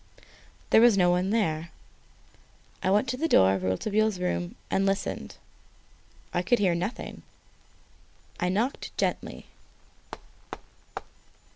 There was no one there. I went to the door of Rouletabille's room and listened. I could hear nothing. I knocked gently.